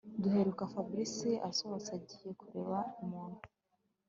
Duheruka Fabric asohotse agihe kureba umuntu